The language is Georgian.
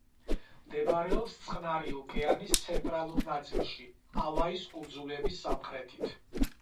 მდებარეობს წყნარი ოკეანის ცენტრალურ ნაწილში, ჰავაის კუნძულების სამხრეთით.